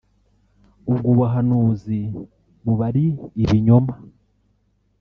ubwo buhanuzi buba ari ibinyoma